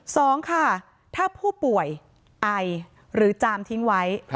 สองค่ะถ้าผู้ป่วยไอหรือจามทิ้งไว้